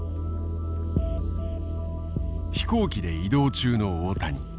飛行機で移動中の大谷。